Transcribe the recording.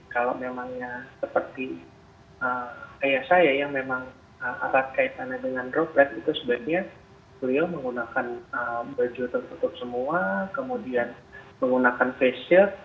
kalau memangnya seperti saya yang memang atas kaitannya dengan droplet itu sebaiknya beliau menggunakan baju tertutup semua